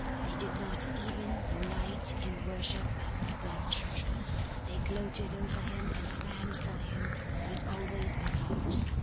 They did not even unite in worship of their treasure. They gloated over him and planned for him, but always apart.